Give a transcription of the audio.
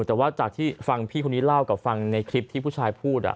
แต่ว่าจากที่ฟังพี่คนนี้เล่ากับฟังในคลิปที่ผู้ชายพูด